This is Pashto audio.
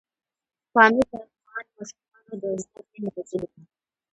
پامیر د افغان ماشومانو د زده کړې موضوع ده.